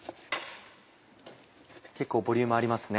結構ボリュームありますね。